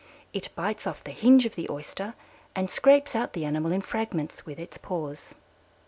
It bites off the hinge of the Oyster and scrapes out the animal in fragments with its paws.